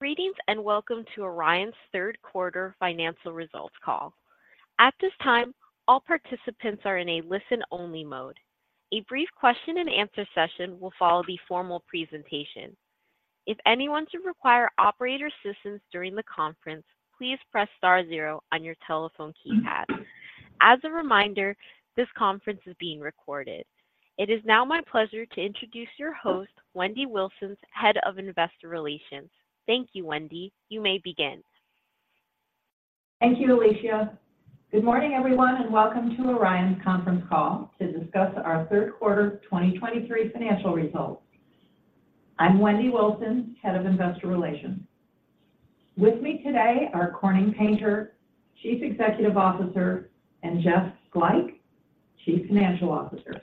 Greetings, and welcome to Orion's third quarter financial results call. At this time, all participants are in a listen-only mode. A brief question and answer session will follow the formal presentation. If anyone should require operator assistance during the conference, please press star zero on your telephone keypad. As a reminder, this conference is being recorded. It is now my pleasure to introduce your host, Wendy Wilson, Head of Investor Relations. Thank you, Wendy. You may begin. Thank you, Alicia. Good morning, everyone, and welcome to Orion's conference call to discuss our third quarter 2023 financial results. I'm Wendy Wilson, Head of Investor Relations. With me today are Corning Painter, Chief Executive Officer, and Jeff Glajch, Chief Financial Officer.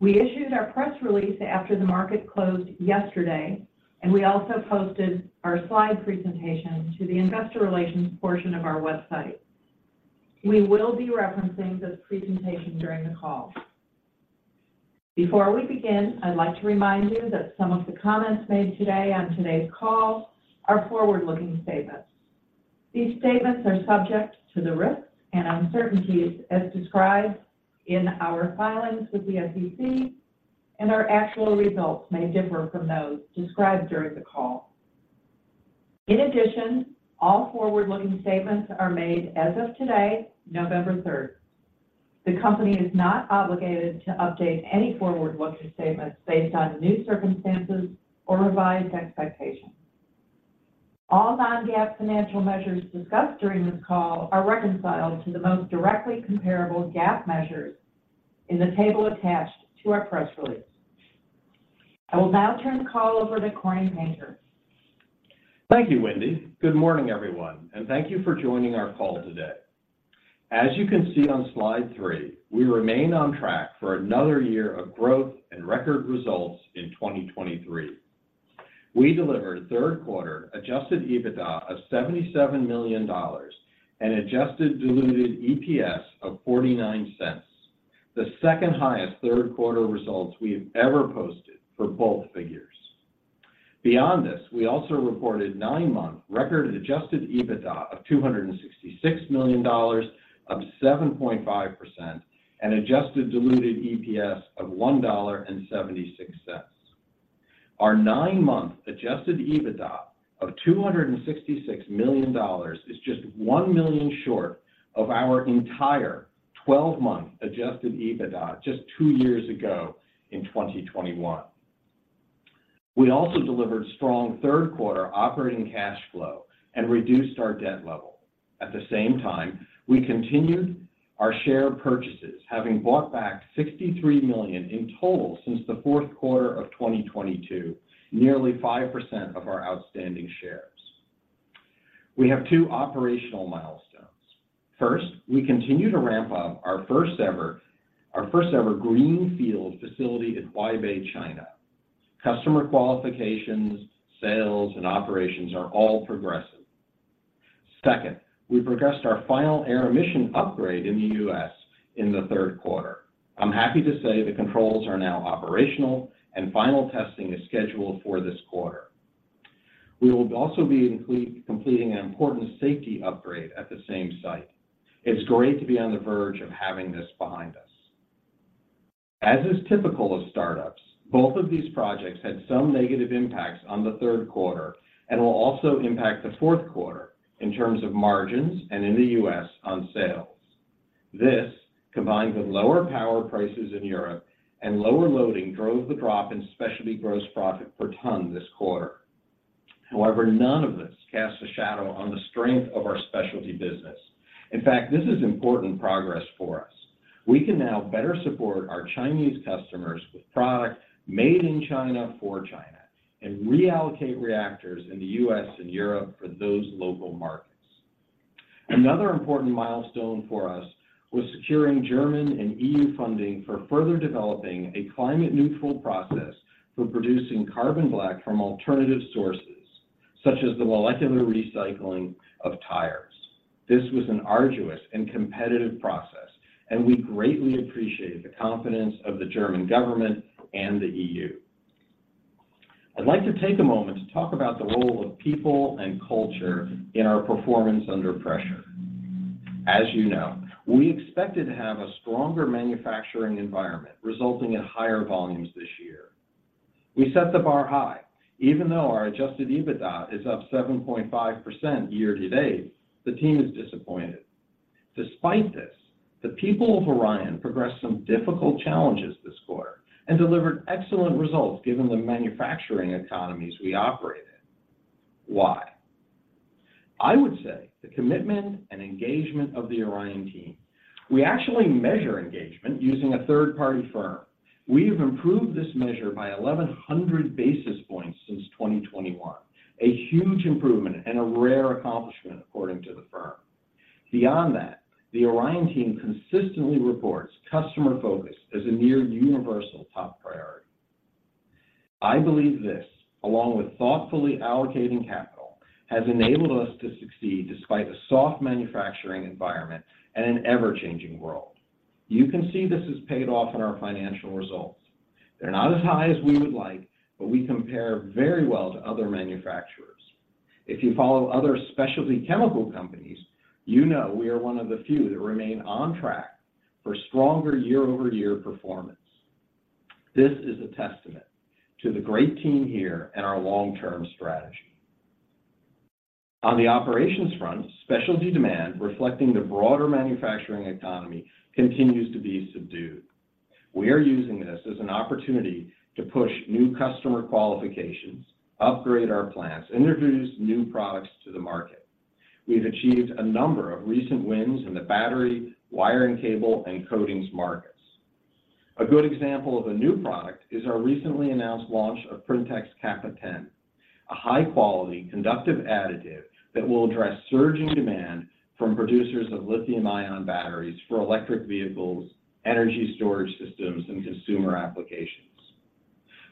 We issued our press release after the market closed yesterday, and we also posted our slide presentation to the investor relations portion of our website. We will be referencing this presentation during the call. Before we begin, I'd like to remind you that some of the comments made today on today's call are forward-looking statements. These statements are subject to the risks and uncertainties as described in our filings with the SEC, and our actual results may differ from those described during the call. In addition, all forward-looking statements are made as of today, November third. The company is not obligated to update any forward-looking statements based on new circumstances or revised expectations. All non-GAAP financial measures discussed during this call are reconciled to the most directly comparable GAAP measures in the table attached to our press release. I will now turn the call over to Corning Painter. Thank you, Wendy. Good morning, everyone, and thank you for joining our call today. As you can see on slide 3, we remain on track for another year of growth and record results in 2023. We delivered third quarter Adjusted EBITDA of $77 million and Adjusted Diluted EPS of $0.49, the second-highest third quarter results we've ever posted for both figures. Beyond this, we also reported nine-month record Adjusted EBITDA of $266 million, up 7.5%, and Adjusted Diluted EPS of $1.76. Our nine-month Adjusted EBITDA of $266 million is just $1 million short of our entire twelve-month Adjusted EBITDA just two years ago in 2021. We also delivered strong third quarter operating cash flow and reduced our debt level. At the same time, we continued our share purchases, having bought back $63 million in total since the fourth quarter of 2022, nearly 5% of our outstanding shares. We have two operational milestones. First, we continue to ramp up our first-ever greenfield facility in Huaibei, China. Customer qualifications, sales, and operations are all progressing. Second, we progressed our final air emission upgrade in the U.S. in the third quarter. I'm happy to say the controls are now operational and final testing is scheduled for this quarter. We will also be completing an important safety upgrade at the same site. It's great to be on the verge of having this behind us. As is typical of startups, both of these projects had some negative impacts on the third quarter and will also impact the fourth quarter in terms of margins and in the U.S. on sales. This, combined with lower power prices in Europe and lower loading, drove the drop in specialty gross profit per ton this quarter. However, none of this casts a shadow on the strength of our specialty business. In fact, this is important progress for us. We can now better support our Chinese customers with products made in China for China and reallocate reactors in the U.S. and Europe for those local markets. Another important milestone for us was securing German and E.U. funding for further developing a climate neutral process for producing carbon black from alternative sources, such as the molecular recycling of tires. This was an arduous and competitive process, and we greatly appreciate the confidence of the German government and the E.U.. I'd like to take a moment to talk about the role of people and culture in our performance under pressure. As you know, we expected to have a stronger manufacturing environment, resulting in higher volumes this year. We set the bar high. Even though our Adjusted EBITDA is up 7.5% year to date, the team is disappointed. Despite this, the people of Orion progressed some difficult challenges this quarter and delivered excellent results given the manufacturing economies we operate in. Why? I would say the commitment and engagement of the Orion team. We actually measure engagement using a third-party firm. We have improved this measure by 1,100 basis points since 2021, a huge improvement and a rare accomplishment, according to the firm. Beyond that, the Orion team consistently reports customer focus as a near universal top priority. I believe this, along with thoughtfully allocating capital, has enabled us to succeed despite a soft manufacturing environment and an ever-changing world. You can see this has paid off in our financial results.... They're not as high as we would like, but we compare very well to other manufacturers. If you follow other specialty chemical companies, you know we are one of the few that remain on track for stronger year-over-year performance. This is a testament to the great team here and our long-term strategy. On the operations front, specialty demand, reflecting the broader manufacturing economy, continues to be subdued. We are using this as an opportunity to push new customer qualifications, upgrade our plants, introduce new products to the market. We've achieved a number of recent wins in the battery, wiring cable, and coatings markets. A good example of a new product is our recently announced launch of PRINTEX kappa 10, a high-quality conductive additive that will address surging demand from producers of lithium-ion batteries for electric vehicles, energy storage systems, and consumer applications.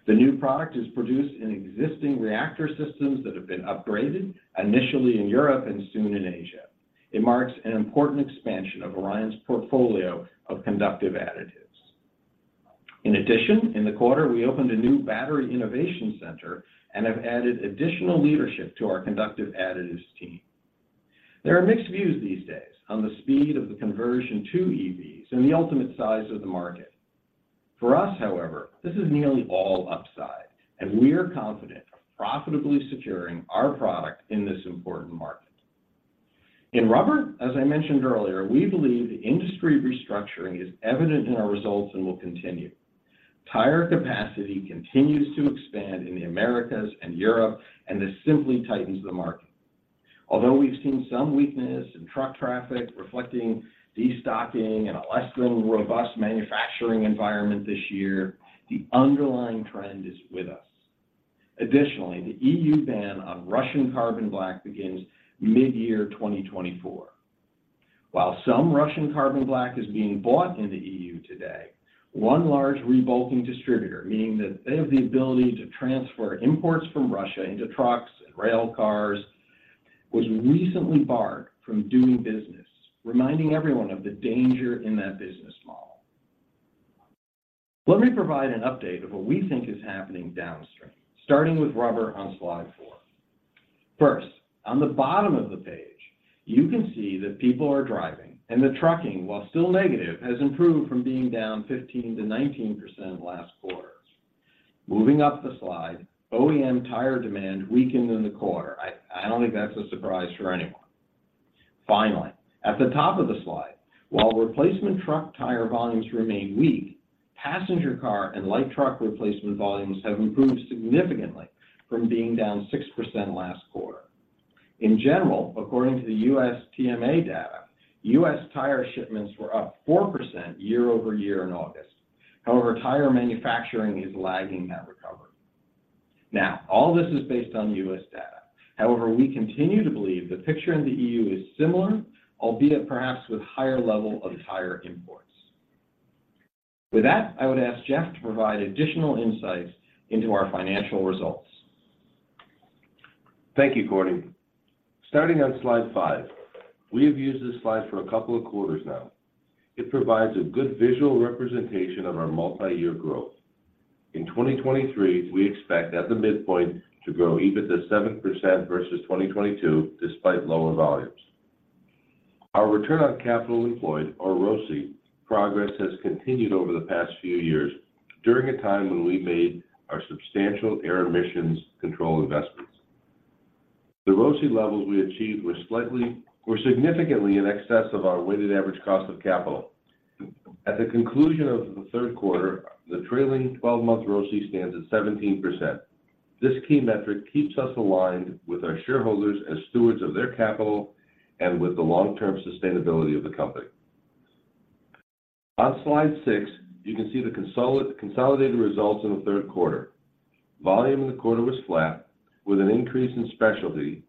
The new product is produced in existing reactor systems that have been upgraded, initially in Europe and soon in Asia. It marks an important expansion of Orion's portfolio of conductive additives. In addition, in the quarter, we opened a new battery innovation center and have added additional leadership to our conductive additives team. There are mixed views these days on the speed of the conversion to EVs and the ultimate size of the market. For us, however, this is nearly all upside, and we are confident of profitably securing our product in this important market. In rubber, as I mentioned earlier, we believe industry restructuring is evident in our results and will continue. Tire capacity continues to expand in the Americas and Europe, and this simply tightens the market. Although we've seen some weakness in truck traffic, reflecting destocking and a less than robust manufacturing environment this year, the underlying trend is with us. Additionally, the E.U. ban on Russian carbon black begins midyear 2024. While some Russian carbon black is being bought in the E.U. today, one large rebulking distributor, meaning that they have the ability to transfer imports from Russia into trucks and rail cars, was recently barred from doing business, reminding everyone of the danger in that business model. Let me provide an update of what we think is happening downstream, starting with rubber on slide 4. First, on the bottom of the page, you can see that people are driving, and the trucking, while still negative, has improved from being down 15-19 last quarter. Moving up the slide, OEM tire demand weakened in the quarter. I don't think that's a surprise for anyone. Finally, at the top of the slide, while replacement truck tire volumes remain weak, passenger car and light truck replacement volumes have improved significantly from being down 6% last quarter. In general, according to the USTMA data, U.S. tire shipments were up 4% year-over-year in August. However, tire manufacturing is lagging that recovery. Now, all this is based on U.S. data. However, we continue to believe the picture in the E.U. is similar, albeit perhaps with higher level of tire imports. With that, I would ask Jeff to provide additional insights into our financial results. Thank you, Corning. Starting on slide 5, we have used this slide for a couple of quarters now. It provides a good visual representation of our multi-year growth. In 2023, we expect at the midpoint to grow EBITDA 7% versus 2022, despite lower volumes. Our return on capital employed, or ROCE, progress has continued over the past few years during a time when we made our substantial air emissions control investments. The ROCE levels we achieved were significantly in excess of our weighted average cost of capital. At the conclusion of the third quarter, the trailing twelve-month ROCE stands at 17%. This key metric keeps us aligned with our shareholders as stewards of their capital and with the long-term sustainability of the company. On slide 6, you can see the consolidated results in the third quarter. Volume in the quarter was flat, with an increase in specialty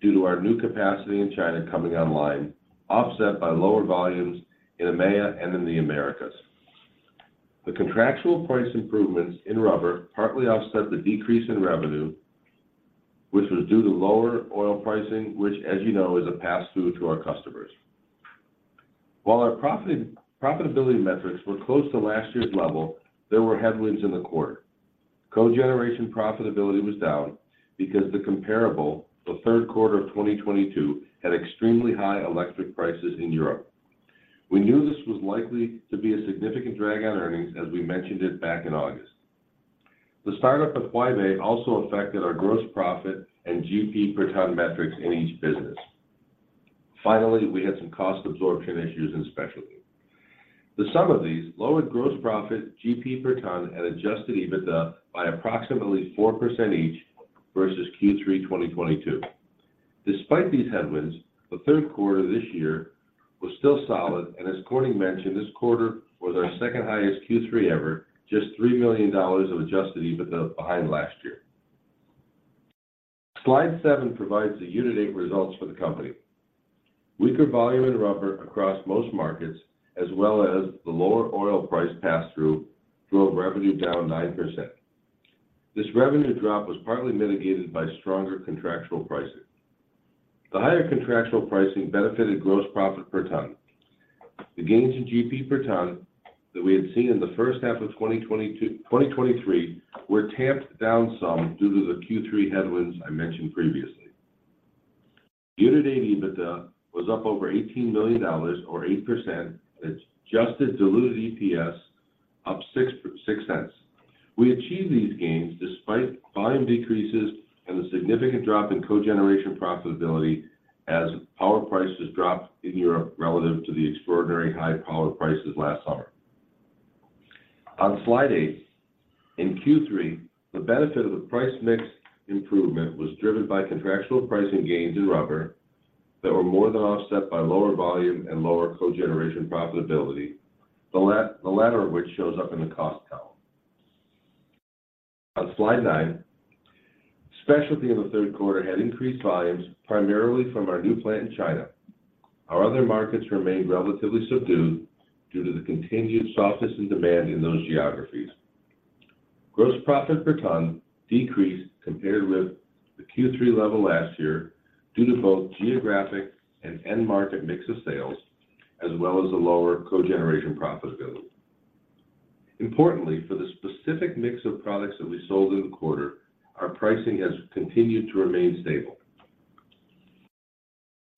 due to our new capacity in China coming online, offset by lower volumes in EMEA and in the Americas. The contractual price improvements in rubber partly offset the decrease in revenue, which was due to lower oil pricing, which, as you know, is a pass-through to our customers. While our profitability metrics were close to last year's level, there were headwinds in the quarter. Cogeneration profitability was down because the comparable, the third quarter of 2022, had extremely high electric prices in Europe. We knew this was likely to be a significant drag on earnings, as we mentioned it back in August. The startup of Huaibei also affected our gross profit and GP per ton metrics in each business. Finally, we had some cost absorption issues in specialty. The sum of these lowered gross profit, GP per ton, and adjusted EBITDA by approximately 4% each versus Q3 2022. Despite these headwinds, the third quarter this year was still solid, and as Corning mentioned, this quarter was our second-highest Q3 ever, just $3 million of adjusted EBITDA behind last year. Slide 7 provides the year-to-date results for the company. Weaker volume in rubber across most markets, as well as the lower oil price pass-through, drove revenue down 9%. This revenue drop was partly mitigated by stronger contractual pricing. The higher contractual pricing benefited gross profit per ton. The gains in GP per ton that we had seen in the first half of 2022-2023 were tamped down some due to the Q3 headwinds I mentioned previously. Year-to-date, EBITDA was up over $18 million or 8%, and adjusted diluted EPS up $0.066. We achieved these gains despite volume decreases and a significant drop in cogeneration profitability as power prices dropped in Europe relative to the extraordinary high power prices last summer. On Slide 8, in Q3, the benefit of the price mix improvement was driven by contractual pricing gains in rubber that were more than offset by lower volume and lower cogeneration profitability, the latter of which shows up in the cost column. On Slide 9, Specialty in the third quarter had increased volumes, primarily from our new plant in China. Our other markets remained relatively subdued due to the continued softness and demand in those geographies. Gross profit per ton decreased compared with the Q3 level last year, due to both geographic and end market mix of sales, as well as the lower cogeneration profitability. Importantly, for the specific mix of products that we sold in the quarter, our pricing has continued to remain stable.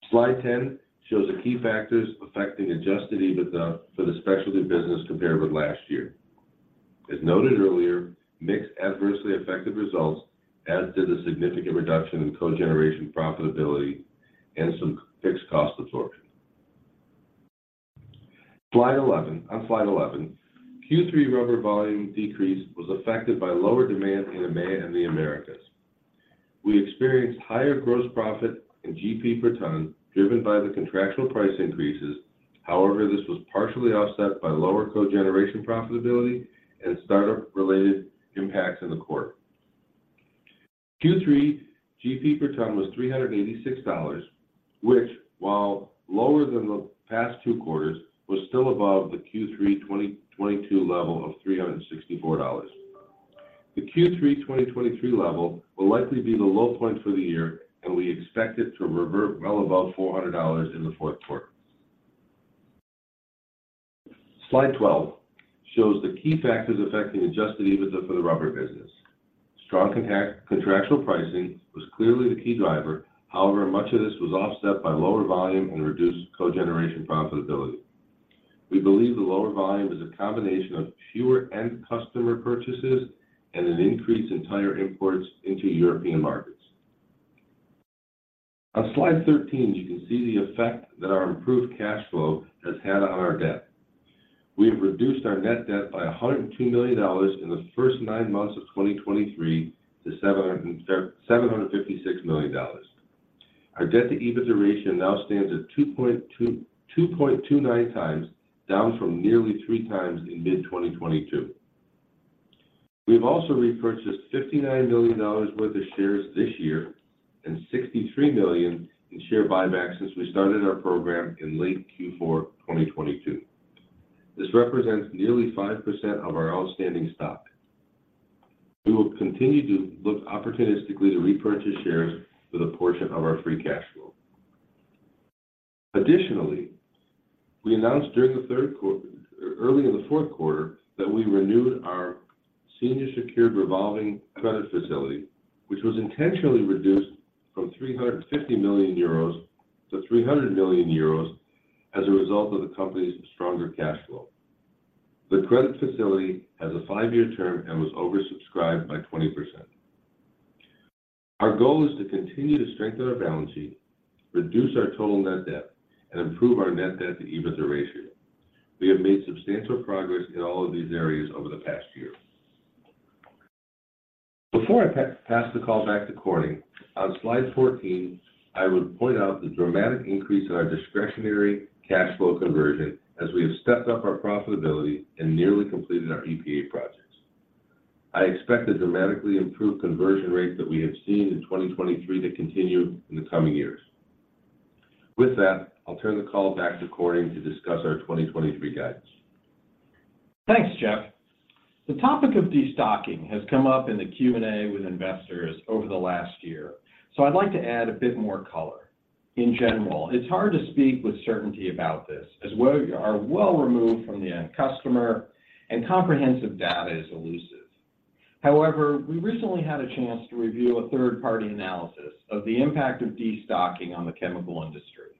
Slide 10 shows the key factors affecting Adjusted EBITDA for the Specialty business compared with last year. As noted earlier, mix adversely affected results, as did a significant reduction in cogeneration profitability and some fixed cost absorption. Slide 11. On Slide 11, Q3 rubber volume decrease was affected by lower demand in EMEA and the Americas. We experienced higher gross profit in GP per ton, driven by the contractual price increases. However, this was partially offset by lower cogeneration profitability and startup-related impacts in the quarter. Q3 GP per ton was $386, which, while lower than the past two quarters, was still above the Q3 2022 level of $364. The Q3 2023 level will likely be the low point for the year, and we expect it to revert well above $400 in the fourth quarter. Slide 12 shows the key factors affecting Adjusted EBITDA for the Rubber business. Strong contractual pricing was clearly the key driver. However, much of this was offset by lower volume and reduced cogeneration profitability. We believe the lower volume is a combination of fewer end customer purchases and an increase in tire imports into European markets. On Slide 13, you can see the effect that our improved cash flow has had on our debt. We have reduced our net debt by $102 million in the first nine months of 2023 to $756 million. Our debt to EBITDA ratio now stands at 2.29 times, down from nearly three times in mid-2022. We've also repurchased $59 million worth of shares this year and $63 million in share buybacks since we started our program in late Q4 2022. This represents nearly 5% of our outstanding stock. We will continue to look opportunistically to repurchase shares with a portion of our free cash flow. Additionally, we announced during the third quarter, early in the fourth quarter, that we renewed our senior secured revolving credit facility, which was intentionally reduced from 350 million euros to 300 million euros as a result of the company's stronger cash flow. The credit facility has a five-year term and was oversubscribed by 20%. Our goal is to continue to strengthen our balance sheet, reduce our total net debt, and improve our net debt to EBITDA ratio. We have made substantial progress in all of these areas over the past year. Before I pass the call back to Corning, on Slide 14, I would point out the dramatic increase in our discretionary cash flow conversion as we have stepped up our profitability and nearly completed our EPA projects. I expect the dramatically improved conversion rate that we have seen in 2023 to continue in the coming years. With that, I'll turn the call back to Corning to discuss our 2023 guidance. Thanks, Jeff. The topic of destocking has come up in the Q&A with investors over the last year, so I'd like to add a bit more color. In general, it's hard to speak with certainty about this, as we are well removed from the end customer and comprehensive data is elusive. However, we recently had a chance to review a third-party analysis of the impact of destocking on the chemical industry.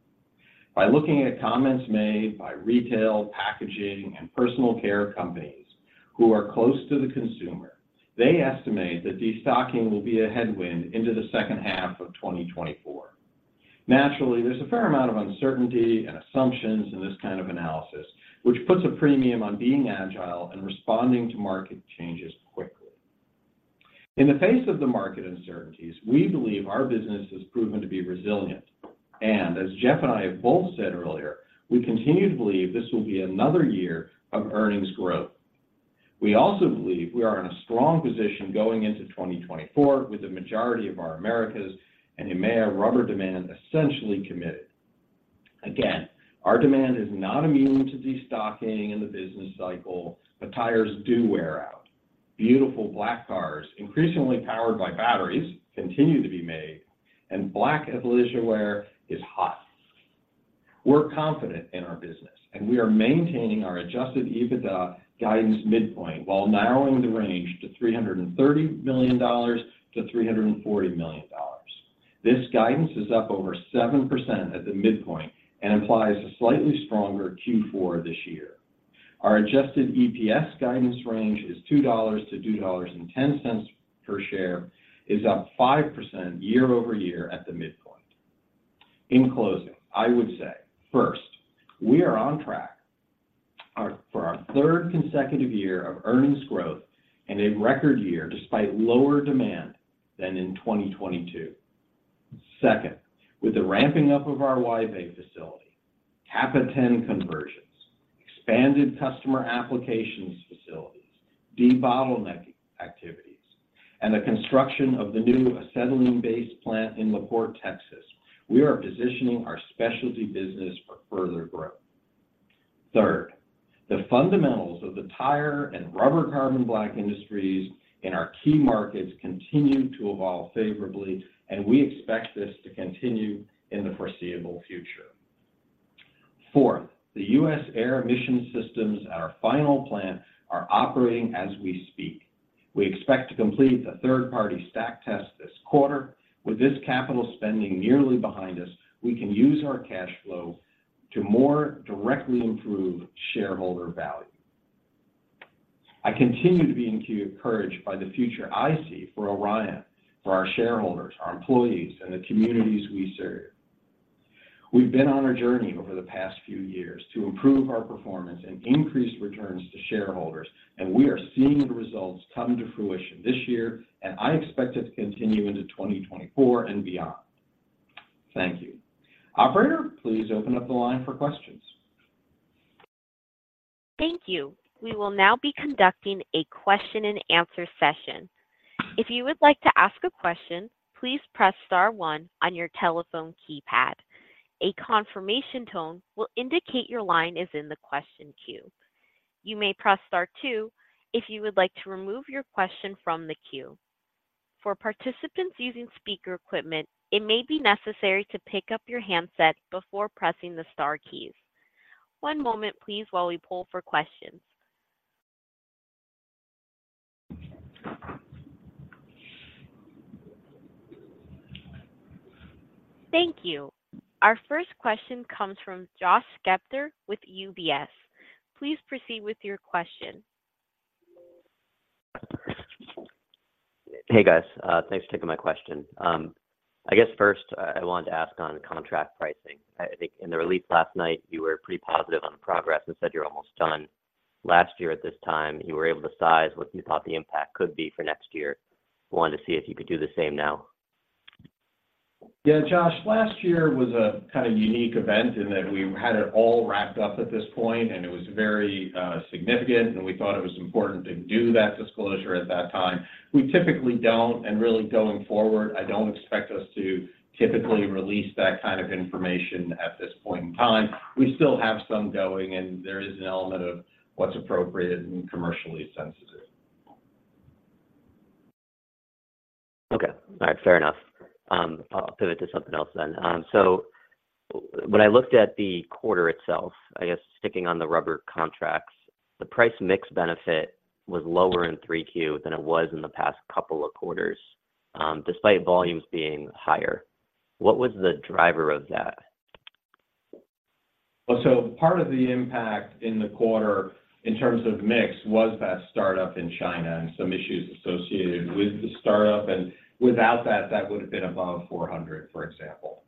By looking at comments made by retail, packaging, and personal care companies who are close to the consumer, they estimate that destocking will be a headwind into the second half of 2024. Naturally, there's a fair amount of uncertainty and assumptions in this kind of analysis, which puts a premium on being agile and responding to market changes quickly. In the face of the market uncertainties, we believe our business has proven to be resilient, and as Jeff and I have both said earlier, we continue to believe this will be another year of earnings growth. We also believe we are in a strong position going into 2024, with the majority of our Americas and EMEA rubber demand essentially committed. Again, our demand is not immune to destocking in the business cycle, but tires do wear out. Beautiful black cars, increasingly powered by batteries, continue to be made, and black athleisure wear is hot. We're confident in our business, and we are maintaining our Adjusted EBITDA guidance midpoint while narrowing the range to $330 million-$340 million. This guidance is up over 7% at the midpoint and implies a slightly stronger Q4 this year. Our adjusted EPS guidance range is $2-$2.10 per share, is up 5% year-over-year at the midpoint. In closing, I would say, first, we are on track for our third consecutive year of earnings growth and a record year despite lower demand than in 2022. Second, with the ramping up of our Huaibei facility, kappa 10 conversions, expanded customer applications facilities, debottlenecking activities, and the construction of the new acetylene-based plant in La Porte, Texas, we are positioning our specialty business for further growth. Third, the fundamentals of the tire and rubber carbon black industries in our key markets continue to evolve favorably, and we expect this to continue in the foreseeable future. Fourth, the U.S. air emission systems at our final plant are operating as we speak. We expect to complete the third-party stack test this quarter. With this capital spending nearly behind us, we can use our cash flow to more directly improve shareholder value. I continue to be encouraged by the future I see for Orion, for our shareholders, our employees, and the communities we serve. We've been on a journey over the past few years to improve our performance and increase returns to shareholders, and we are seeing the results come to fruition this year, and I expect it to continue into 2024 and beyond. Thank you. Operator, please open up the line for questions. Thank you. We will now be conducting a question and answer session. If you would like to ask a question, please press star one on your telephone keypad. A confirmation tone will indicate your line is in the question queue. You may press star two if you would like to remove your question from the queue. For participants using speaker equipment, it may be necessary to pick up your handset before pressing the star keys. One moment, please, while we pull for questions. Thank you. Our first question comes from Josh Spector with UBS. Please proceed with your question. Hey, guys. Thanks for taking my question. I guess first, I wanted to ask on contract pricing. I think in the release last night, you were pretty positive on the progress and said you're almost done. Last year at this time, you were able to size what you thought the impact could be for next year. Wanted to see if you could do the same now. Yeah, Josh, last year was a kind of unique event in that we had it all wrapped up at this point, and it was very significant, and we thought it was important to do that disclosure at that time. We typically don't, and really going forward, I don't expect us to typically release that kind of information at this point in time. We still have some going, and there is an element of what's appropriate and commercially sensitive. Okay. All right, fair enough. I'll pivot to something else then. So when I looked at the quarter itself, I guess sticking on the rubber contracts, the price mix benefit was lower in 3Q than it was in the past couple of quarters, despite volumes being higher. What was the driver of that? Well, part of the impact in the quarter, in terms of mix, was that startup in China and some issues associated with the startup, and without that, that would have been above $400, for example.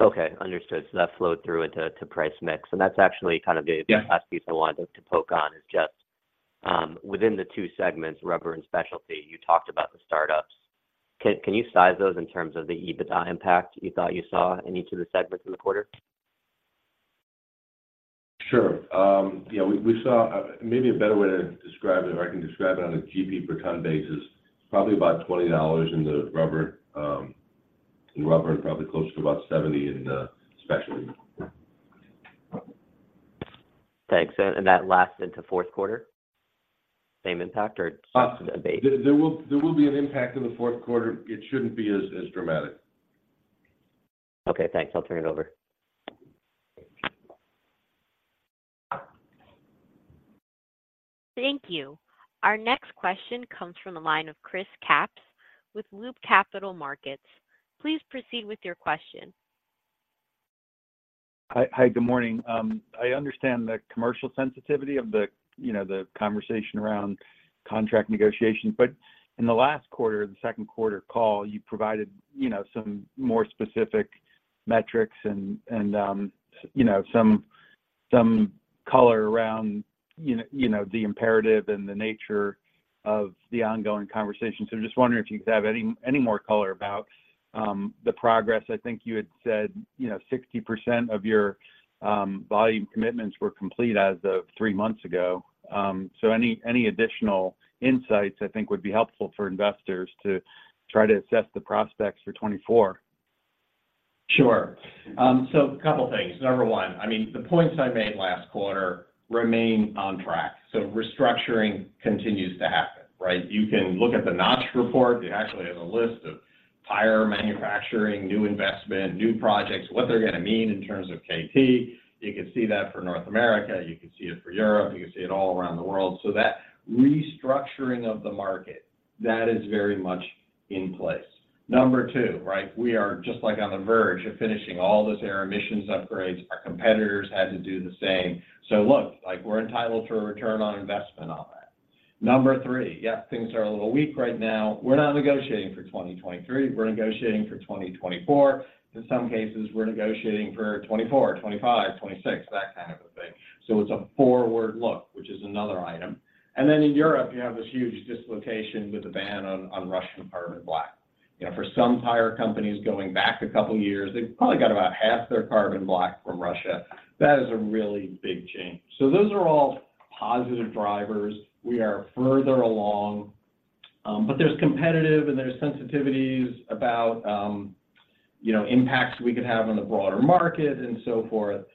Okay, understood. So that flowed through into, to price mix, and that's actually kind of the- Yeah Last piece I wanted to poke on is just within the two segments, rubber and specialty, you talked about the startups. Can you size those in terms of the EBITDA impact you thought you saw in each of the segments in the quarter? Sure. Maybe a better way to describe it, or I can describe it on a GP per ton basis, probably about $20 in the rubber, in rubber, and probably closer to about $70 in the specialty. Thanks. And that lasts into fourth quarter? Same impact or just a base? There will be an impact in the fourth quarter. It shouldn't be as dramatic. Okay, thanks. I'll turn it over. Thank you. Our next question comes from the line of Chris Kapsch with Loop Capital Markets. Please proceed with your question. Hi, hi, good morning. I understand the commercial sensitivity of the, you know, the conversation around contract negotiations, but in the last quarter, the second quarter call, you provided, you know, some more specific metrics and you know, some color around you know, the imperative and the nature of the ongoing conversation. So just wondering if you could have any more color about the progress. I think you had said, you know, 60% of your volume commitments were complete as of three months ago. So any additional insights, I think, would be helpful for investors to try to assess the prospects for 2024.... Sure. So a couple things. Number one, I mean, the points I made last quarter remain on track. So restructuring continues to happen, right? You can look at the Notch report. They actually have a list of tire manufacturing, new investment, new projects, what they're going to mean in terms of KT. You can see that for North America, you can see it for Europe, you can see it all around the world. So that restructuring of the market, that is very much in place. Number two, right, we are just, like, on the verge of finishing all those air emissions upgrades. Our competitors had to do the same. So look, like, we're entitled to a return on investment on that. Number three, yeah, things are a little weak right now. We're not negotiating for 2023, we're negotiating for 2024. In some cases, we're negotiating for 2024, 2025, 2026, that kind of a thing. So it's a forward look, which is another item. And then in Europe, you have this huge dislocation with the ban on Russian carbon black. You know, for some tire companies going back a couple of years, they've probably got about half their carbon black from Russia. That is a really big change. So those are all positive drivers. We are further along, but there's competitive and there's sensitivities about, you know, impacts we could have on the broader market and so forth.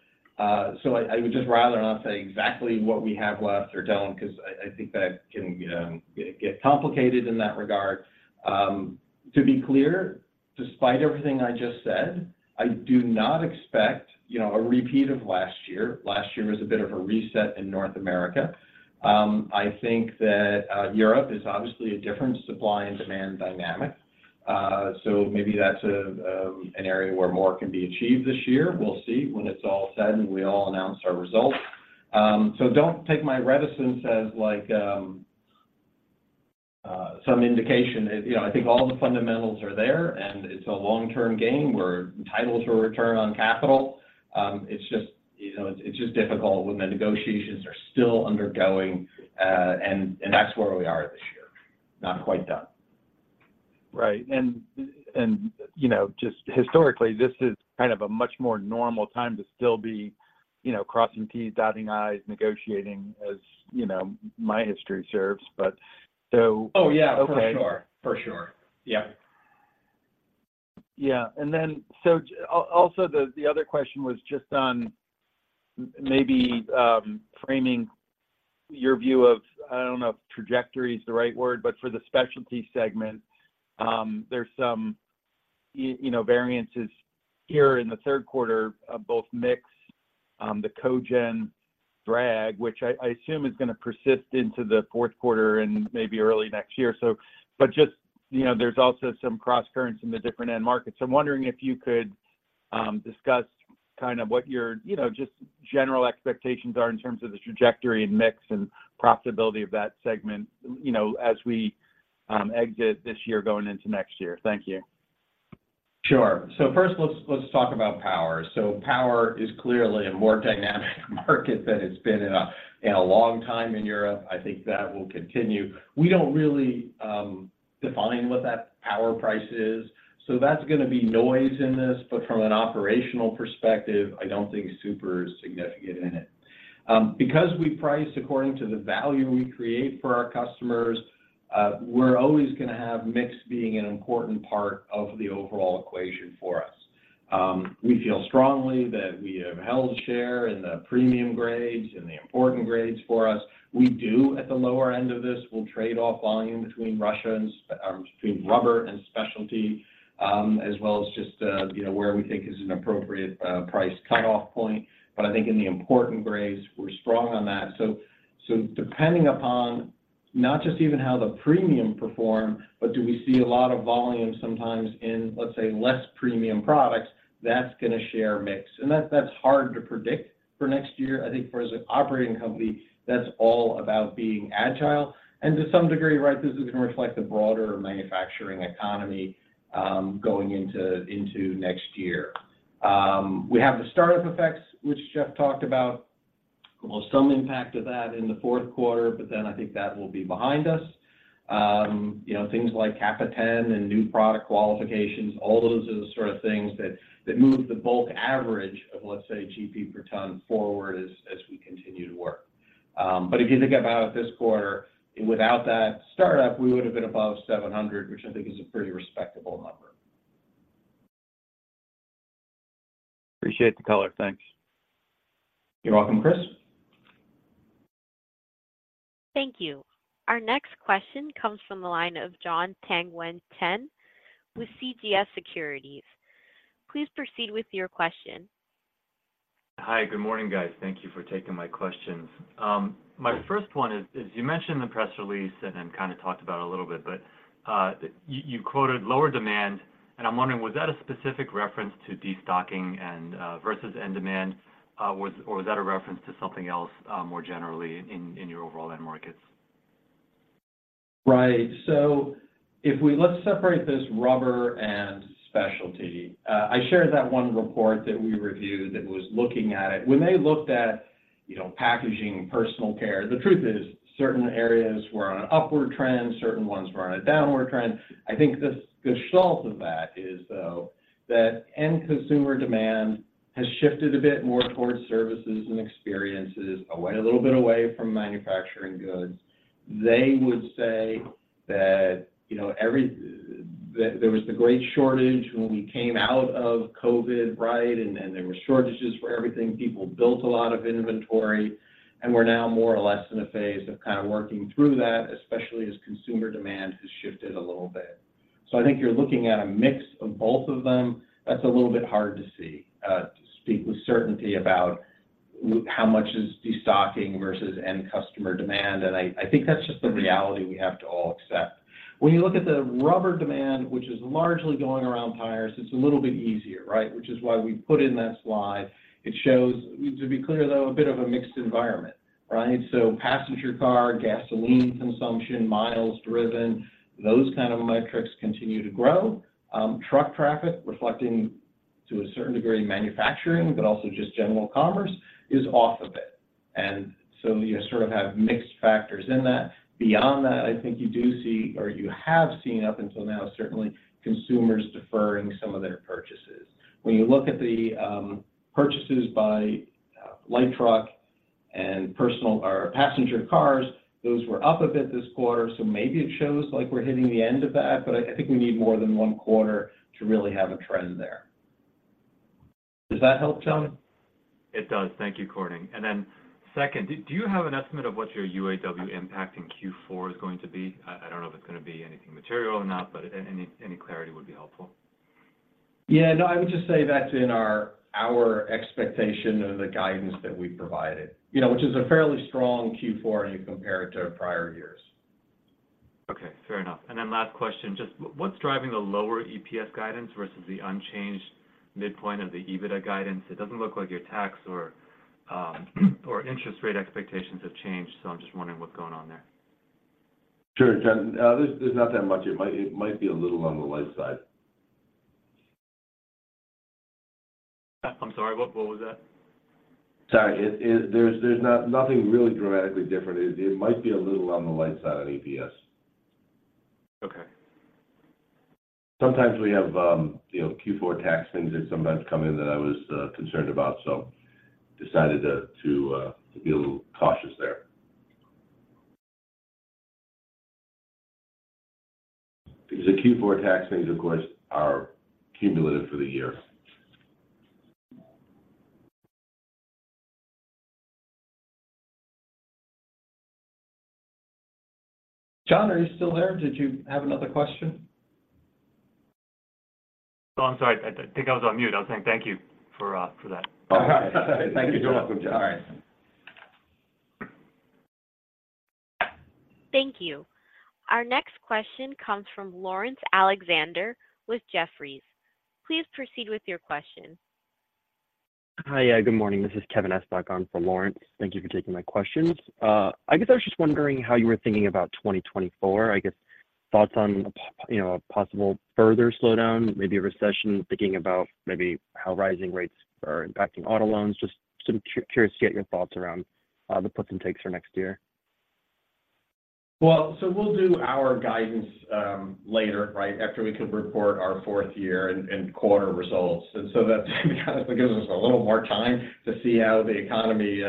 So I would just rather not say exactly what we have left or don't, 'cause I think that can get complicated in that regard. To be clear, despite everything I just said, I do not expect, you know, a repeat of last year. Last year was a bit of a reset in North America. I think that Europe is obviously a different supply and demand dynamic. So maybe that's an area where more can be achieved this year. We'll see when it's all said, and we all announce our results. So don't take my reticence as like some indication. You know, I think all the fundamentals are there, and it's a long-term game. We're entitled to a return on capital. It's just, you know, it's just difficult when the negotiations are still undergoing, and that's where we are this year. Not quite done. Right. And, you know, just historically, this is kind of a much more normal time to still be, you know, crossing T's, dotting I's, negotiating, as, you know, my history serves, but so- Oh, yeah, for sure. Okay. For sure. Yeah. Yeah. And then, so also, the other question was just on maybe framing your view of, I don't know if trajectory is the right word, but for the specialty segment, there's some, you know, variances here in the third quarter of both mix, the cogen drag, which I assume is going to persist into the fourth quarter and maybe early next year, so. But just, you know, there's also some crosscurrents in the different end markets. I'm wondering if you could discuss kind of what your, you know, just general expectations are in terms of the trajectory and mix and profitability of that segment, you know, as we exit this year going into next year. Thank you. Sure. So first, let's talk about power. So power is clearly a more dynamic market than it's been in a long time in Europe. I think that will continue. We don't really define what that power price is, so that's going to be noise in this, but from an operational perspective, I don't think super significant in it. Because we price according to the value we create for our customers, we're always going to have mix being an important part of the overall equation for us. We feel strongly that we have held share in the premium grades and the important grades for us. We do at the lower end of this, we'll trade off volume between Russia and between rubber and specialty, as well as just, you know, where we think is an appropriate price cutoff point. But I think in the important grades, we're strong on that. So depending upon not just even how the premium perform, but do we see a lot of volume sometimes in, let's say, less premium products, that's going to share mix. And that, that's hard to predict for next year. I think for as an operating company, that's all about being agile, and to some degree, right, this is going to reflect the broader manufacturing economy, going into next year. We have the startup effects, which Jeff talked about. We will see some impact of that in the fourth quarter, but then I think that will be behind us. You know, things like kappa 10 and new product qualifications, all those are the sort of things that move the bulk average of, let's say, GP per ton forward as we continue to work. But if you think about this quarter, without that start up, we would have been above $700, which I think is a pretty respectable number. Appreciate the color. Thanks. You're welcome, Chris. Thank you. Our next question comes from the line of Jon Tanwanteng with CJS Securities. Please proceed with your question. Hi, good morning, guys. Thank you for taking my questions. My first one is, you mentioned the press release and then kind of talked about a little bit, but you quoted lower demand, and I'm wondering, was that a specific reference to destocking and versus end demand, or was that a reference to something else, more generally in your overall end markets? Right. So if we, let's separate this rubber and specialty. I shared that one report that we reviewed that was looking at it. When they looked at, you know, packaging, personal care, the truth is, certain areas were on an upward trend, certain ones were on a downward trend. I think the gestalt of that is, though, that end consumer demand has shifted a bit more towards services and experiences, away, a little bit away from manufacturing goods... they would say that, you know, every there was the great shortage when we came out of COVID, right? And there were shortages for everything. People built a lot of inventory, and we're now more or less in a phase of kind of working through that, especially as consumer demand has shifted a little bit. So I think you're looking at a mix of both of them. That's a little bit hard to see, to speak with certainty about how much is destocking versus end customer demand, and I, I think that's just the reality we have to all accept. When you look at the rubber demand, which is largely going around tires, it's a little bit easier, right? Which is why we put in that slide. It shows, to be clear, though, a bit of a mixed environment, right? So passenger car, gasoline consumption, miles driven, those kind of metrics continue to grow. Truck traffic, reflecting to a certain degree in manufacturing, but also just general commerce, is off a bit, and so you sort of have mixed factors in that. Beyond that, I think you do see, or you have seen up until now, certainly, consumers deferring some of their purchases. When you look at the purchases by light truck and personal or passenger cars, those were up a bit this quarter, so maybe it shows like we're hitting the end of that, but I think we need more than one quarter to really have a trend there. Does that help, John? It does. Thank you, Corning. And then second, do you have an estimate of what your UAW impact in Q4 is going to be? I don't know if it's gonna be anything material or not, but any clarity would be helpful. Yeah. No, I would just say that's in our, our expectation of the guidance that we provided. You know, which is a fairly strong Q4 when you compare it to prior years. Okay, fair enough. And then last question, just what's driving the lower EPS guidance versus the unchanged midpoint of the EBITDA guidance? It doesn't look like your tax or, or interest rate expectations have changed, so I'm just wondering what's going on there. Sure, John. There's not that much. It might be a little on the light side. I'm sorry, what, what was that? Sorry. There's nothing really dramatically different. It might be a little on the light side on EPS. Okay. Sometimes we have, you know, Q4 tax things that sometimes come in that I was concerned about, so decided to be a little cautious there. Because the Q4 tax things, of course, are cumulative for the year. John, are you still there? Did you have another question? Oh, I'm sorry. I, I think I was on mute. I was saying thank you for that. Okay. Thank you. You're welcome, Jon. All right. Thank you. Our next question comes from Laurence Alexander with Jefferies. Please proceed with your question. Hi, good morning. This is Kevin Estok for Lawrence. Thank you for taking my questions. I guess I was just wondering how you were thinking about 2024. I guess thoughts on a you know, a possible further slowdown, maybe a recession. Thinking about maybe how rising rates are impacting auto loans. Just sort of curious to get your thoughts around, the puts and takes for next year. Well, so we'll do our guidance later, right, after we can report our fourth year and quarter results. And so that kind of gives us a little more time to see how the economy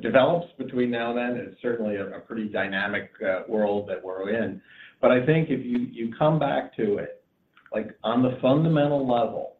develops between now and then. It's certainly a pretty dynamic world that we're in. But I think if you come back to it, like on the fundamental level,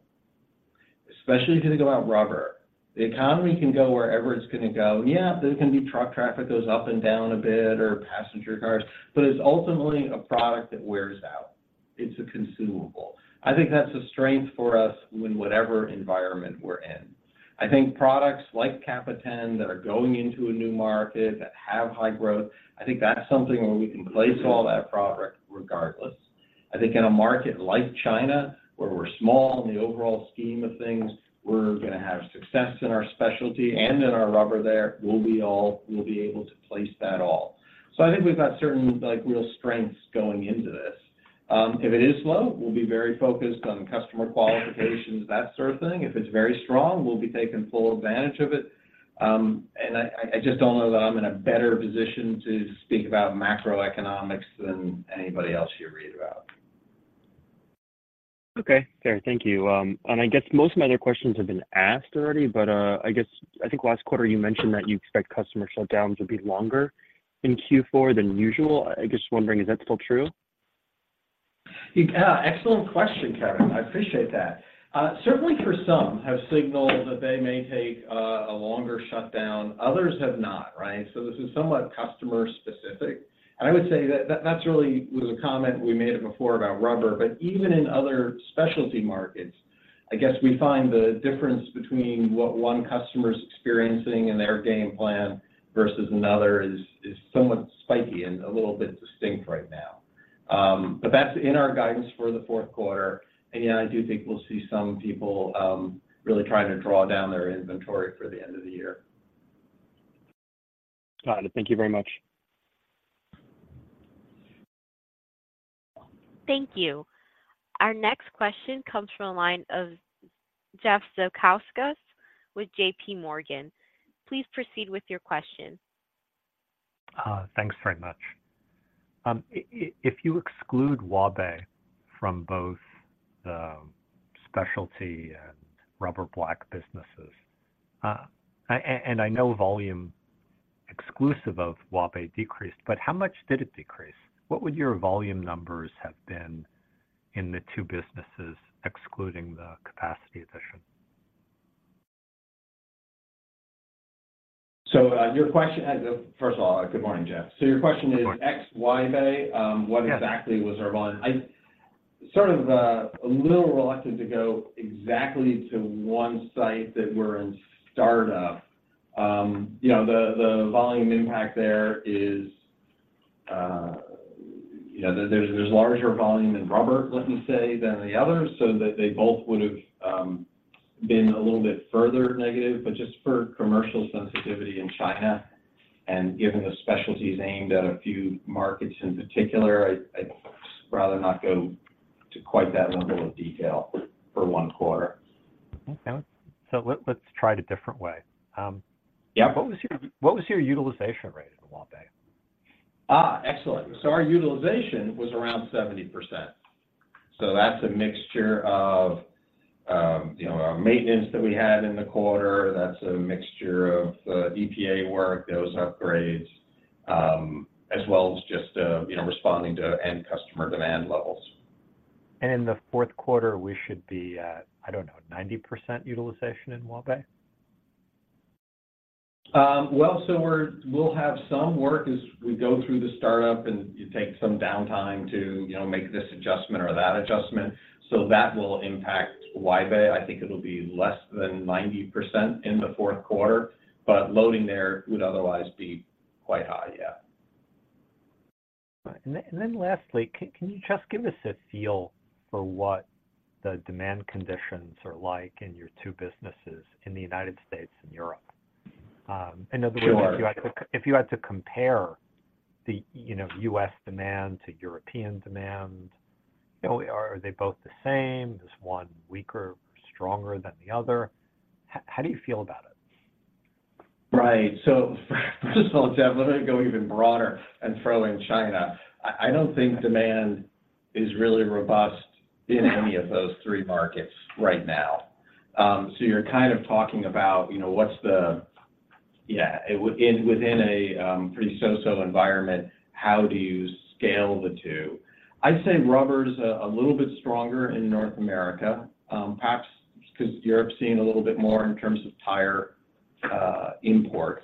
especially if you think about rubber, the economy can go wherever it's gonna go. Yeah, there's gonna be truck traffic goes up and down a bit, or passenger cars, but it's ultimately a product that wears out. It's a consumable. I think that's a strength for us in whatever environment we're in. I think products like PRINTEX® kappa 10, that are going into a new market, that have high growth, I think that's something where we can place all that product regardless. I think in a market like China, where we're small in the overall scheme of things, we're gonna have success in our specialty and in our rubber there. We'll be able to place that all. So I think we've got certain, like, real strengths going into this. If it is slow, we'll be very focused on customer qualifications, that sort of thing. If it's very strong, we'll be taking full advantage of it. And I just don't know that I'm in a better position to speak about macroeconomics than anybody else you read about. Okay. Fair, thank you. I guess most of my other questions have been asked already, but I guess, I think last quarter you mentioned that you expect customer shutdowns to be longer in Q4 than usual. I just wondering, is that still true? Yeah, excellent question, Kevin. I appreciate that. Certainly for some have signaled that they may take a longer shutdown, others have not, right? So this is somewhat customer specific, and I would say that that's really was a comment we made before about rubber. But even in other specialty markets, I guess we find the difference between what one customer is experiencing in their game plan versus another is somewhat spiky and a little bit distinct right now. But that's in our guidance for the fourth quarter, and yeah, I do think we'll see some people really trying to draw down their inventory for the end of the year. Got it. Thank you very much. Thank you. Our next question comes from the line of Jeff Zekauskas with JPMorgan. Please proceed with your question. Thanks very much. If you exclude Huaibei from both the specialty and rubber black businesses, and I know volume exclusive of Huaibei decreased, but how much did it decrease? What would your volume numbers have been in the two businesses, excluding the capacity addition? So, your question. First of all, good morning, Jeff. So your question is- Good morning... ex-Huaibei, what exactly- Yeah -was our volume? I sort of a little reluctant to go exactly to one site that we're in startup. You know, the volume impact there is, you know, there's larger volume in rubber, let me say, than the others, so that they both would've been a little bit further negative. But just for commercial sensitivity in China and given the specialties aimed at a few markets in particular, I'd rather not go to quite that level of detail for one quarter. Okay. So let's try it a different way. Yeah. What was your utilization rate in Huaibei? Ah, excellent. So our utilization was around 70%. So that's a mixture of, you know, our maintenance that we had in the quarter. That's a mixture of, you know, EPA work, those upgrades, as well as just, you know, responding to end customer demand levels. In the fourth quarter, we should be at, I don't know, 90% utilization in Huaibei? Well, so we'll have some work as we go through the startup, and you take some downtime to, you know, make this adjustment or that adjustment. So that will impact Huaibei. I think it'll be less than 90% in the fourth quarter, but loading there would otherwise be quite high, yeah. Right. And then, and then lastly, can you just give us a feel for what the demand conditions are like in your two businesses in the United States and Europe? In other words- Sure... if you had to compare the, you know, U.S. demand to European demand, you know, are they both the same? Is one weaker or stronger than the other? How do you feel about it? Right. So first of all, Jeff, let me go even broader and throw in China. I don't think demand is really robust in any of those three markets right now. So you're kind of talking about, you know, what's the... Yeah, within a pretty so-so environment, how do you scale the two? I'd say rubber is a little bit stronger in North America, perhaps because Europe's seeing a little bit more in terms of tire imports.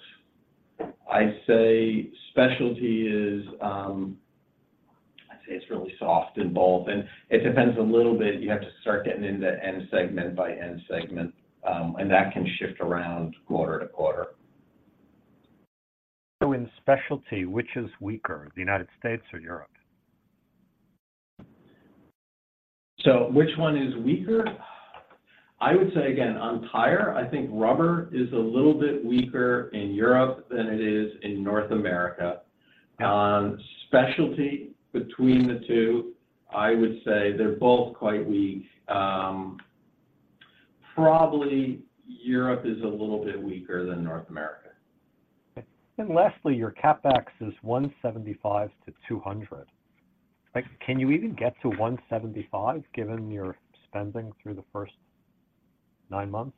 I'd say specialty is, I'd say it's really soft in both, and it depends a little bit. You have to start getting into end segment by end segment, and that can shift around quarter to quarter. In specialty, which is weaker, the United States or Europe? So which one is weaker? I would say again, on tire, I think rubber is a little bit weaker in Europe than it is in North America. Specialty, between the two, I would say they're both quite weak. Probably Europe is a little bit weaker than North America. Okay. And lastly, your CapEx is $175-$200. Like, can you even get to 175, given your spending through the first nine months?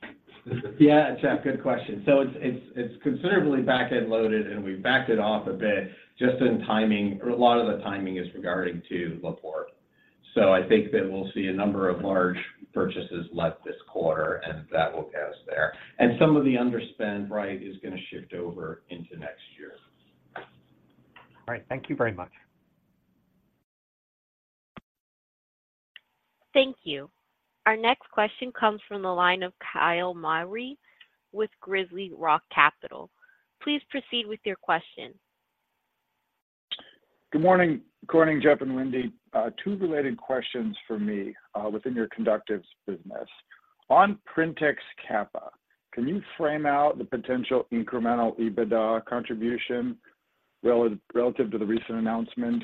Yeah, Jeff, good question. So it's considerably back-end loaded, and we backed it off a bit just in timing, or a lot of the timing is regarding to La Porte. So I think that we'll see a number of large purchases late this quarter, and that will get us there. And some of the underspend, right, is going to shift over into next year. All right. Thank you very much. Thank you. Our next question comes from the line of Kyle Mowery with GrizzlyRock Capital. Please proceed with your question. Good morning. Good morning, Jeff and Wendy. Two related questions for me within your conductives business. On PRINTEX kappa, can you frame out the potential incremental EBITDA contribution relative to the recent announcement?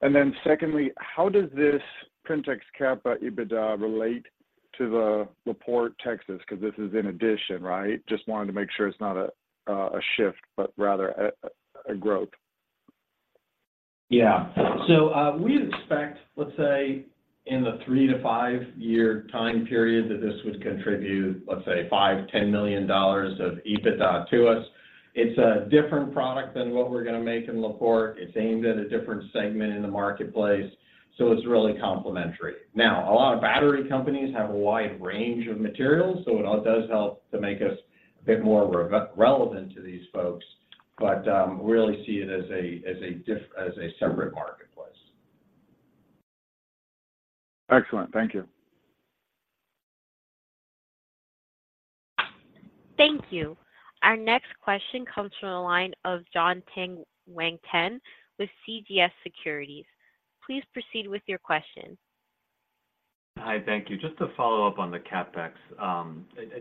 And then secondly, how does this PRINTEX kappa EBITDA relate to the La Porte, Texas? Because this is in addition, right? Just wanted to make sure it's not a shift, but rather a growth. Yeah. So, we expect, let's say, in the three- to five-year time period, that this would contribute, let's say, $5-$10 million of EBITDA to us. It's a different product than what we're going to make in La Porte. It's aimed at a different segment in the marketplace, so it's really complementary. Now, a lot of battery companies have a wide range of materials, so it all does help to make us a bit more relevant to these folks, but we really see it as a separate marketplace. Excellent. Thank you. Thank you. Our next question comes from the line of Jon Tanwanteng with CJS Securities. Please proceed with your question. Hi, thank you. Just to follow up on the CapEx,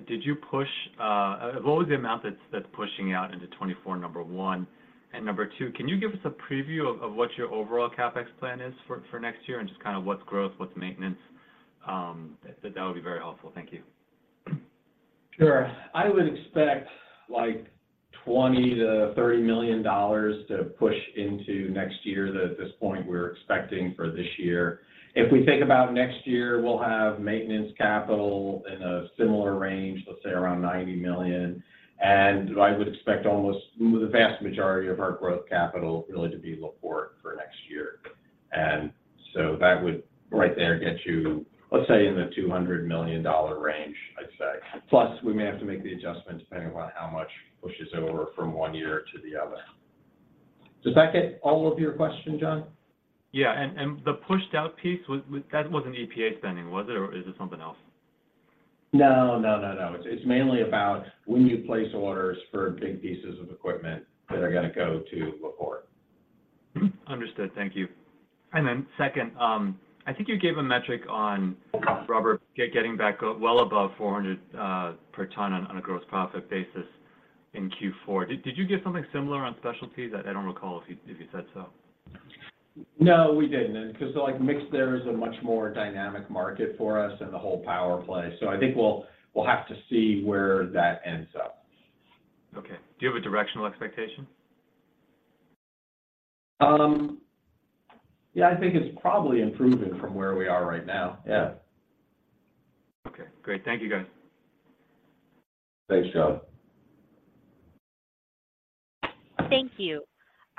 did you push? What was the amount that's pushing out into 2024, number one? And number two, can you give us a preview of what your overall CapEx plan is for next year and just kind of what's growth, what's maintenance? That would be very helpful. Thank you.... Sure. I would expect like $20-$30 million to push into next year that at this point, we're expecting for this year. If we think about next year, we'll have maintenance capital in a similar range, let's say around $90 million, and I would expect almost the vast majority of our growth capital really to be La Porte for next year. And so that would right there get you, let's say, in the $200 million range, I'd say. Plus, we may have to make the adjustment depending on how much pushes over from one year to the other. Does that get all of your questions, John? Yeah, and the pushed out piece—that wasn't EPA spending, was it, or is it something else? No, no, no, no. It's, it's mainly about when you place orders for big pieces of equipment that are going to go to La Porte. Mm-hmm. Understood. Thank you. And then second, I think you gave a metric on rubber getting back up well above 400 per ton on a gross profit basis in Q4. Did you give something similar on specialties? I don't recall if you said so. No, we didn't, because, like, mix there is a much more dynamic market for us than the whole power play. So I think we'll have to see where that ends up. Okay. Do you have a directional expectation? Yeah, I think it's probably improving from where we are right now. Yeah. Okay, great. Thank you, guys. Thanks, John. Thank you.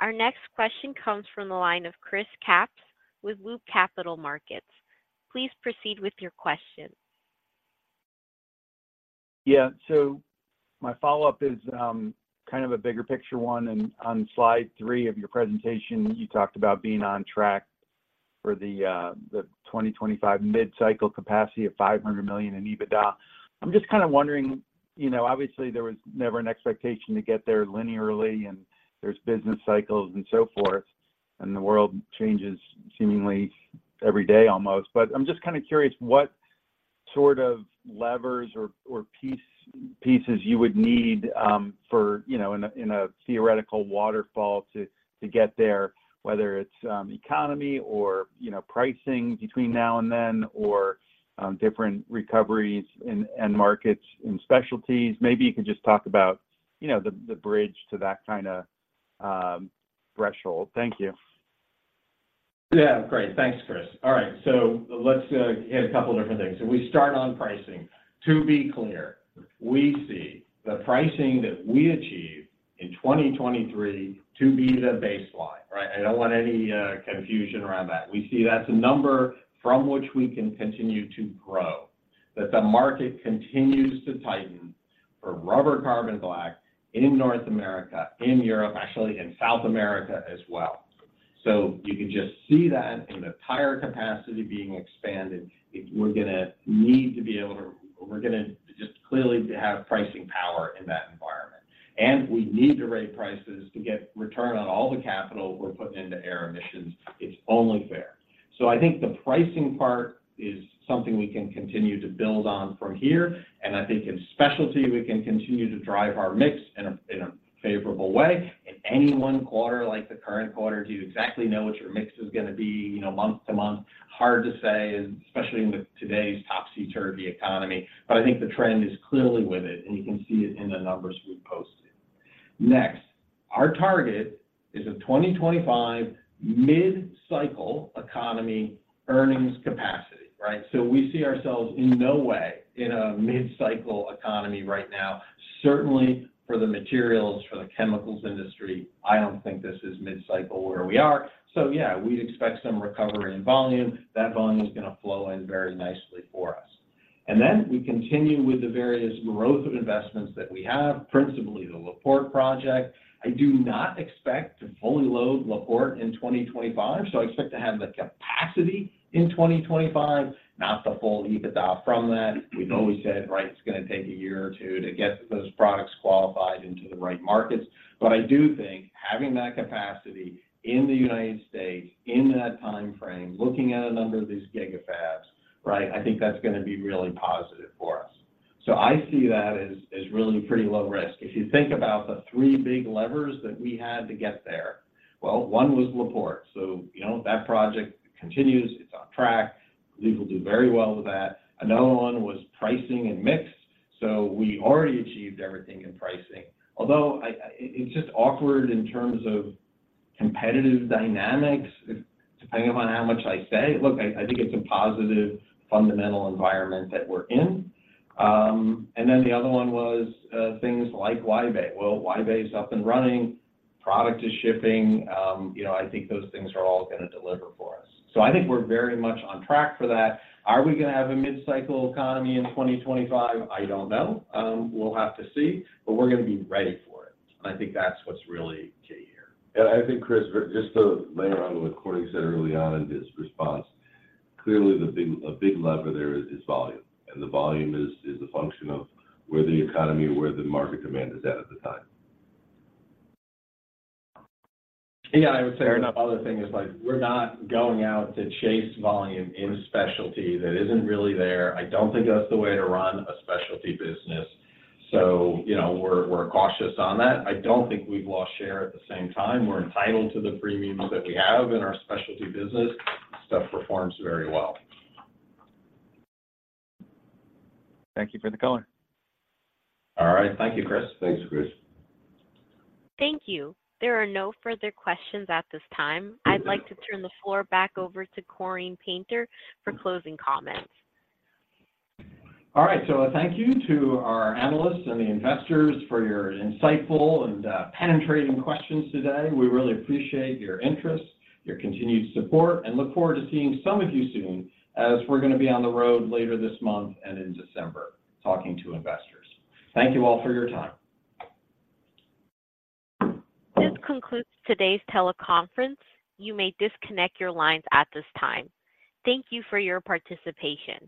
Our next question comes from the line of Chris Kapsch with Loop Capital Markets. Please proceed with your question. Yeah. So my follow-up is kind of a bigger picture one. And on slide 3 of your presentation, you talked about being on track for the 2025 mid-cycle capacity of $500 million in EBITDA. I'm just kind of wondering, you know, obviously there was never an expectation to get there linearly, and there's business cycles and so forth, and the world changes seemingly every day, almost. But I'm just kind of curious, what sort of levers or pieces you would need for, you know, in a theoretical waterfall to get there, whether it's economy or, you know, pricing between now and then, or different recoveries in end markets in specialties. Maybe you could just talk about, you know, the bridge to that kind of threshold. Thank you. Yeah, great. Thanks, Chris. All right, so let's hit a couple of different things. So we start on pricing. To be clear, we see the pricing that we achieve in 2023 to be the baseline, right? I don't want any confusion around that. We see that's a number from which we can continue to grow, that the market continues to tighten for rubber carbon black in North America, in Europe, actually in South America as well. So you can just see that in the tire capacity being expanded, we're going to need to be able to. We're going to just clearly have pricing power in that environment. And we need to raise prices to get return on all the capital we're putting into air emissions. It's only fair. So I think the pricing part is something we can continue to build on from here, and I think in specialty, we can continue to drive our mix in a, in a favorable way. In any one quarter, like the current quarter, do you exactly know what your mix is going to be, you know, month to month? Hard to say, especially in today's topsy-turvy economy, but I think the trend is clearly with it, and you can see it in the numbers we've posted. Next, our target is a 2025 mid-cycle economy earnings capacity, right? So we see ourselves in no way in a mid-cycle economy right now. Certainly, for the materials, for the chemicals industry, I don't think this is mid-cycle where we are. So yeah, we'd expect some recovery in volume. That volume is going to flow in very nicely for us. Then we continue with the various growth of investments that we have, principally the La Porte project. I do not expect to fully load La Porte in 2025, so I expect to have the capacity in 2025, not the full EBITDA from that. We've always said, right, it's going to take a year or two to get those products qualified into the right markets. But I do think having that capacity in the United States in that time frame, looking at a number of these gigafabs, right, I think that's going to be really positive for us. So I see that as, as really pretty low risk. If you think about the three big levers that we had to get there, well, one was La Porte, so you know, that project continues. It's on track. I believe we'll do very well with that. Another one was pricing and mix, so we already achieved everything in pricing. Although I, it's just awkward in terms of competitive dynamics, depending upon how much I say. Look, I, I think it's a positive, fundamental environment that we're in. And then the other one was, things like Huaibei. Well, Huaibei is up and running, product is shipping. You know, I think those things are all going to deliver for us. So I think we're very much on track for that. Are we going to have a mid-cycle economy in 2025? I don't know. We'll have to see, but we're going to be ready for it. I think that's what's really key here. Yeah, I think, Chris, just to layer on what Corning said early on in his response, clearly a big lever there is volume, and the volume is a function of where the economy, where the market demand is at the time. Yeah, I would say another thing is, like, we're not going out to chase volume in specialty that isn't really there. I don't think that's the way to run a specialty business. So, you know, we're cautious on that. I don't think we've lost share at the same time. We're entitled to the premiums that we have in our specialty business. Stuff performs very well. Thank you for the call. All right. Thank you, Chris. Thanks, Chris. Thank you. There are no further questions at this time. I'd like to turn the floor back over to Corning Painter for closing comments. All right. So a thank you to our analysts and the investors for your insightful and penetrating questions today. We really appreciate your interest, your continued support, and look forward to seeing some of you soon, as we're going to be on the road later this month and in December, talking to investors. Thank you all for your time. This concludes today's teleconference. You may disconnect your lines at this time. Thank you for your participation.